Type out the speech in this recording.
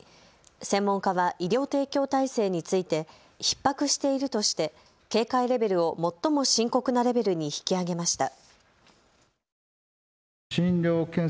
専門家は医療提供体制についてひっ迫しているとして警戒レベルを最も深刻なレベルに引き上げました。